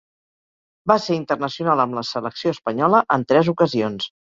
Va ser internacional amb la selecció espanyola en tres ocasions.